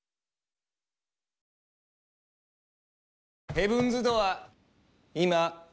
ヘブンズ・ドアー。